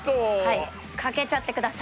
はいかけちゃってください。